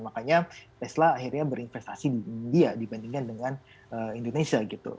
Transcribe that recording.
makanya tesla akhirnya berinvestasi di india dibandingkan dengan indonesia gitu